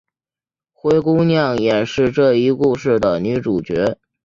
灰姑娘也是这一故事的女主角。